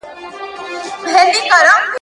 تل د خپلو مشرانو او استادانو پوره درناوی وکړه.